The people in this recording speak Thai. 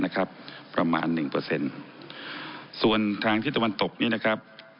ประมาณหนึ่งเปอร์เซ็นต์ส่วนทางที่ตะวันตกนี้นะครับ